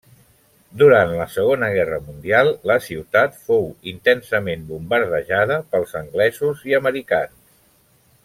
Durant la Segona Guerra Mundial la ciutat fou intensament bombardejada pels anglesos i americans.